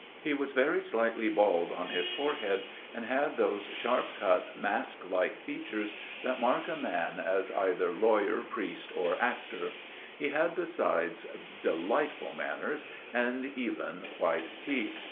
He was very slightly bald on his fore head, and had those sharp cut mask like features M 18 <x*x>) 266 A MIRROR OF SHALOTT that mark a man as either lawyer, priest, or actor ; he had besides delightful manners and even, white teeth.